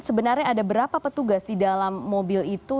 sebenarnya ada berapa petugas di dalam mobil itu